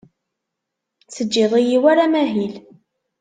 Teǧǧid-iyi war amahil.